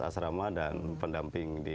asrama dan pendamping di